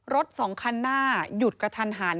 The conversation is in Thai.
รถสองคันหน้าหยุดกระทันหัน